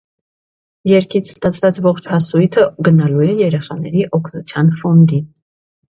Երգից ստացված ողջ հասույթը գնալու է երեխաների օգնության ֆոնդին։